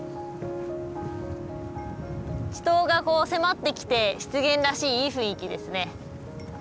池塘が迫ってきて湿原らしいいい雰囲気ですね。